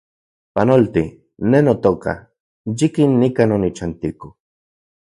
Panolti, ne notoka, yikin nikan onichantiko